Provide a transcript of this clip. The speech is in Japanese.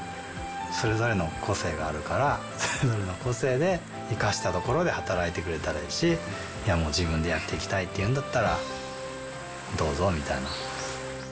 それぞれの個性があるから、それぞれの個性で生かした所で働いてくれたらいいし、自分でやっていきたいっていうんだったら、どうぞみたいな。